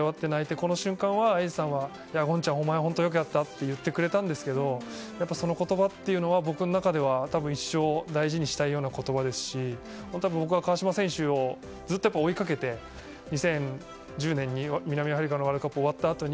この瞬間は永嗣さんは権ちゃん、よくやったって言ってくれたんですがその言葉というのは僕の中では一生大事にしたい言葉ですし僕は川島選手をずっと追いかけて２０１０年に南アフリカのワールドカップが終わったあとに